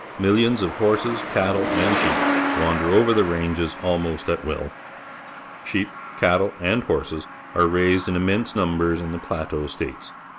INlillions of horseSj_catUe,^Jid_sheep wander over the ranges almost at will. Sheep, cattle, and horses are raised in immense numbers in the Plateau States.